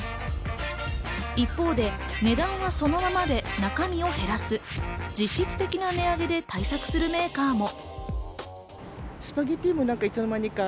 一方、値段はそのままで中身を減らす実質的な値上げで対策するメーカーも。